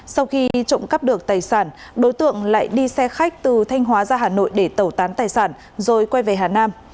sau khi trộm cắp được tài sản đối tượng lại đi xe khách từ thanh hóa ra hà nội để tẩu tán tài sản rồi quay về hà nam